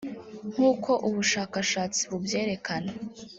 Nk’uko ubushakashatsi bubyerekana